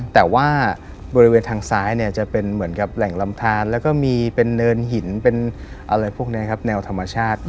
แต่ว่าบริเวณทางซ้ายเนี่ยจะเป็นเหมือนกับแหล่งลำทานแล้วก็มีเป็นเนินหินเป็นอะไรพวกนี้ครับแนวธรรมชาติ